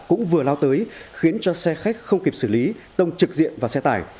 cũng vừa lao tới khiến cho xe khách không kịp xử lý tông trực diện vào xe tải